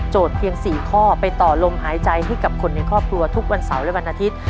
เพียง๔ข้อไปต่อลมหายใจให้กับคนในครอบครัวทุกวันเสาร์และวันอาทิตย์